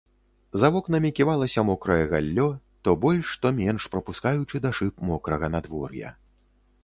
За вокнамі ківалася мокрае галлё, то больш, то менш прапускаючы да шыб мокрага надвор'я.